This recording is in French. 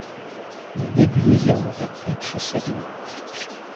Le début des Irlandais est très sérieux.